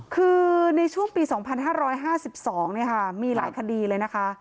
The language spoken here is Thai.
คือในช่วงปี๒๕๕๒มีหลายคดีเลยนะคะ